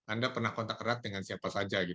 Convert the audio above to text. anda pernah kontak erat dengan siapa saja